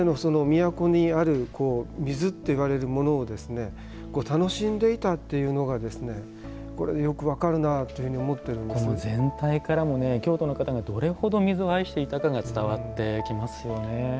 滝もあれば、池もありますしすべての都にある水と言われるものを楽しんでいたというのがよく分かるなというふうにこの全体からも京都の方がどれほど水を愛していたかが伝わってきますよね。